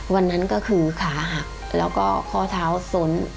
วันนั้นก็คือขาหักแล้วก็ข้อเท้าส้น